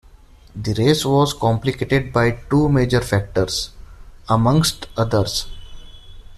The race was complicated by two major factors, amongst others.